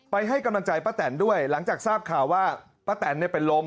ให้กำลังใจป้าแตนด้วยหลังจากทราบข่าวว่าป้าแตนเป็นลม